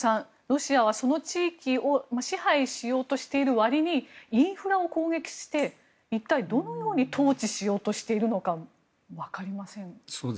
ロシアはその地域を支配しようとしている割にインフラを攻撃して一体どのように統治しようとしているのか分かりませんが。